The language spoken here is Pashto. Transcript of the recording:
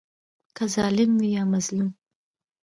که ظالم وي یا مظلوم.